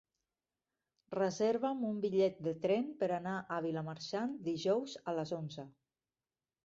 Reserva'm un bitllet de tren per anar a Vilamarxant dijous a les onze.